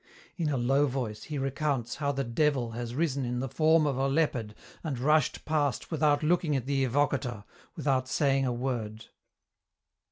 In a low voice he recounts how the Devil has risen in the form of a leopard and rushed past without looking at the evocator, without saying a word.